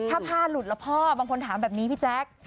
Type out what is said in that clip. ถ้าผ้าหลุดละพ่อบางคนถามแบบนี้พี่แจ๊ค